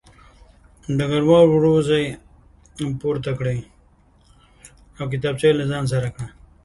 ډګروال وروځې پورته کړې او کتابچه یې له ځان سره کړه